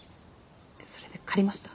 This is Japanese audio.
それで借りました？